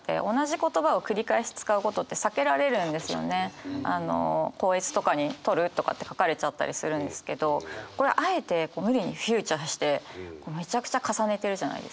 基本的には校閲とかに「取る？」とかって書かれちゃったりするんですけどこれあえて「無理」にフィーチャーしてめちゃくちゃ重ねてるじゃないですか。